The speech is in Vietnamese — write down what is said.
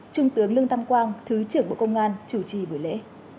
trung tướng lương tâm quang thứ trưởng bộ công an chủ trì buổi lễ